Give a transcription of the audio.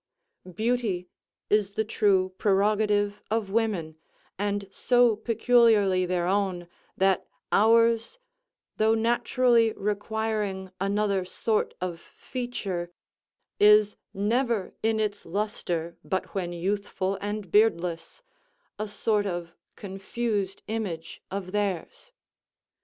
Beauty is the true prerogative of women, and so peculiarly their own, that ours, though naturally requiring another sort of feature, is never in its lustre but when youthful and beardless, a sort of confused image of theirs.